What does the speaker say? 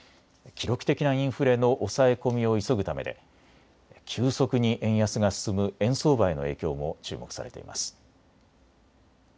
記録的なインフレの抑え込みを急ぐためで急速に円安が進む円相場への影響も注目されています。